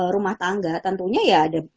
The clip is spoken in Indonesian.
rumah tangga tentunya ya ada